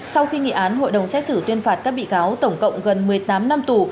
sau khi nghị án hội đồng xét xử tuyên phạt các bị cáo tổng cộng gần một mươi tám năm tù